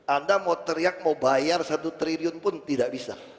anda mau teriak mau bayar satu triliun pun tidak bisa